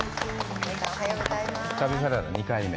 旅サラダ、２回目？